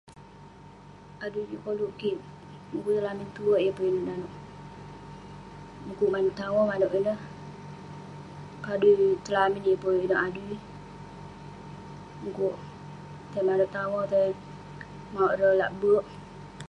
adui juk koluk kik, mukuk tong lamin tuwerk, yeng pun inouk nanouk, mukuk tong awa, manouk ineh..padui tong lamin, yeng pun inouk adui, mukuk tai tong awa, tai mauk ireh lak berk.